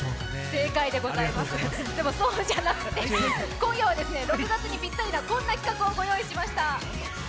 正解でございますでも、そうじゃなくて今夜は６月にぴったりなこんな企画をご用意しました。